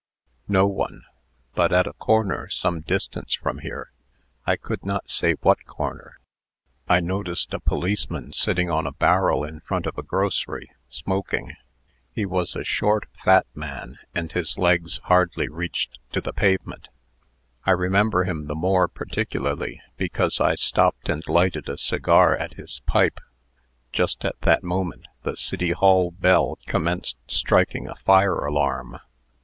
"No one; but at a corner some distance from here, I could not say what corner, I noticed a policeman sitting on a barrel in front of a grocery, smoking. He was a short, fat man, and his legs hardly reached to the pavement. I remember him the more particularly, because I stopped and lighted a cigar at his pipe. Just at that moment, the City Hall bell commenced striking a fire alarm."